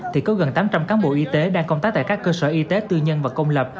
thì có gần tám trăm linh cán bộ y tế đang công tác tại các cơ sở y tế tư nhân và công lập